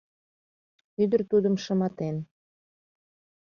Ӱдыр тудым шыматен